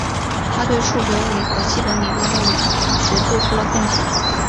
他对数学物理和基本理论物理学做出了贡献。